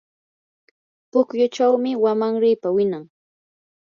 pukyuchawmi wamanripa winan.